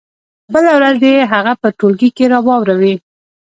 بله ورځ دې يې هغه په ټولګي کې واوروي.